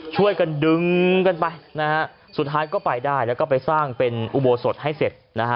ช่วยกันดึงกันไปนะฮะสุดท้ายก็ไปได้แล้วก็ไปสร้างเป็นอุโบสถให้เสร็จนะฮะ